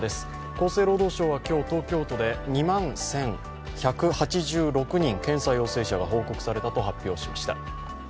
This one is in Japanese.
厚生労働省は今日、東京都で２万１１８６人検査陽性者が報告されたと発表しました。